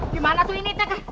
gimana tuh ini teh